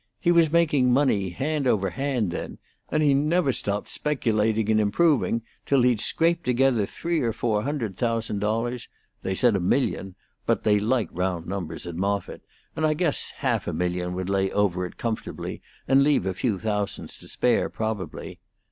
He was making money, hand over hand, then; and he never stopped speculating and improving till he'd scraped together three or four hundred thousand dollars, they said a million, but they like round numbers at Moffitt, and I guess half a million would lay over it comfortably and leave a few thousands to spare, probably.